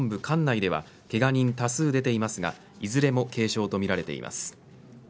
管内ではけが人多数出ていますがいずれも軽傷とみられています。